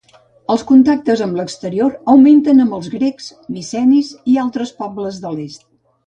Els contactes amb l'exterior augmenten amb grecs, micènics i altres pobles de l'est.